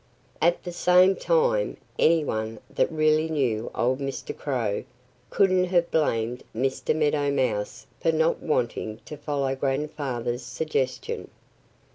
At the same time, any one that really knew old Mr. Crow couldn't have blamed Mr. Meadow Mouse for not wanting to follow Grandfather's suggestion.